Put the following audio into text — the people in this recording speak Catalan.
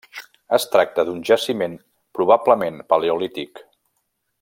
Es tracta d’un jaciment probablement paleolític.